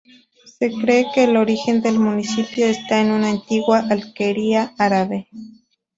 Se cree que el origen del municipio está en una antigua alquería árabe.